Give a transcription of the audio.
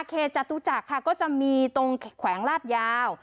เขตจัดรู้จักก็จะมีตรงแขวงลาดยาว